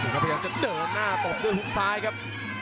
ก็พยายามจะเดินหน้าตบด้วยฮุกซ้ายครับ